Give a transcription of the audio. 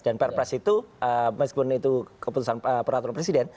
dan perpres itu meskipun itu keputusan peratur presiden